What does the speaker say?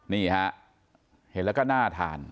นี่ฮะเห็นแล้วก็น่าทาน